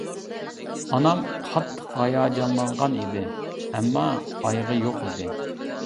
ئانام قاتتىق ھاياجانلانغان ئىدى، ئەمما ئايىغى يوق ئىدى.